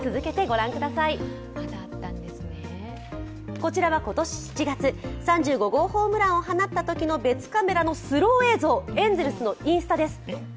こちらは今年７月、３５号ホームランを放ったときの別カメラのスロー映像、エンゼルスのインスタです。